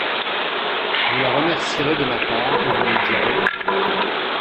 Vous la remercierez de ma part, et vous lui direz…